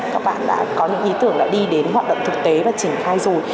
các bạn đã có những ý tưởng đi đến hoạt động thực tế và đã trình khai rồi